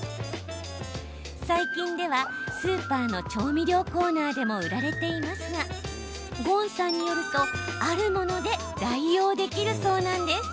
最近ではスーパーの調味料コーナーでも売られていますがゴーンさんによると、あるもので代用できるそうなんです。